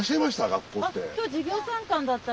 学校って。